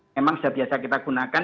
memang sederhana kita gunakan